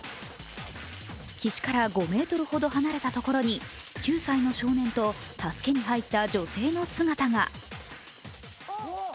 岸から５ｍほど離れた所に９歳の少年と助けに入った女性の姿が。